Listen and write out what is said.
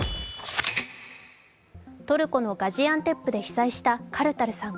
トルコのガジアンテップで被災したカルタルさん。